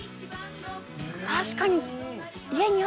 確かに。